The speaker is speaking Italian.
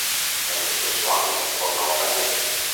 Nello stesso anno tornò a Venezia.